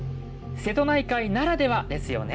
瀬戸内海ならではですよね